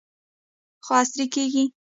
خو عصري کیږي.